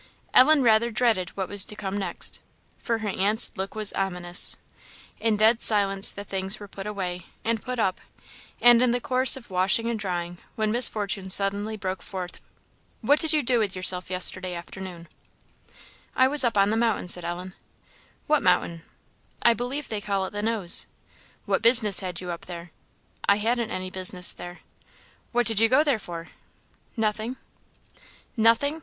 Ellen rather dreaded what was to come next, for her aunt's look was ominous. In dead silence the things were put away, and put up, and in course of washing and drying, when Miss Fortune suddenly broke forth "What did you do with yourself yesterday afternoon?" "I was up on the mountain," said Ellen. "What mountain?" "I believe they call it the Nose." "What business had you up there?" "I hadn't any business there." "What did you go there for?" "Nothing." "Nothing!